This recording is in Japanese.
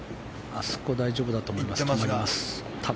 あそこは大丈夫だと思います。